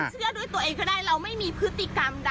เชื่อด้วยตัวเองก็ได้เราไม่มีพฤติกรรมใด